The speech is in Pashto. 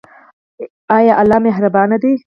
ایا الله مهربان دی؟